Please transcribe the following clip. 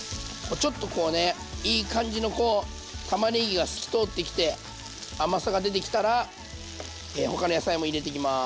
ちょっとこうねいい感じのこうたまねぎが透き通ってきて甘さが出てきたら他の野菜も入れてきます。